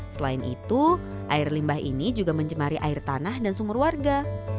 selain itu air limbah ini juga mencemari air tanah dan sumur warga